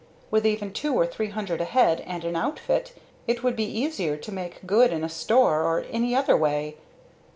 With even two or three hundred ahead and an outfit it would be easier to make good in a store or any other way.